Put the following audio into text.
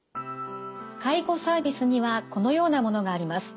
介護サービスにはこのようなものがあります。